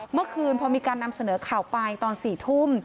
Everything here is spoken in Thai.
เมื่อคืนพอมีการนำเสนอข่าวไปตอน๔ทุ่ม